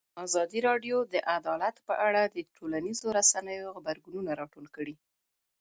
ازادي راډیو د عدالت په اړه د ټولنیزو رسنیو غبرګونونه راټول کړي.